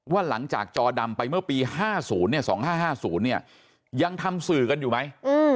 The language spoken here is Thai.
ว่าหลังจากจอดำไปเมื่อปี๕๐๒๕๕๐เนี่ยยังทำสื่อกันอยู่ไหม